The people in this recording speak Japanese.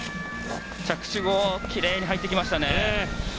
着地もきれいに入ってきました。